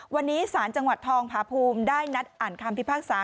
วันนี้ศาลจังหวัดทองพาภูมิได้นัดอ่านคำพิพากษา